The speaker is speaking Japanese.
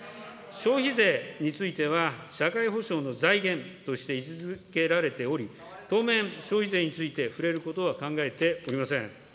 消費税については、社会保障の財源として位置づけられており、当面、消費税について触れることは考えておりません。